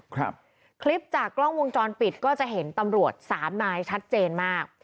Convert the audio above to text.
คลิปจากกล้องวงจรปิดก็จะเห็นตำรวจสามนายชัดเจนมาก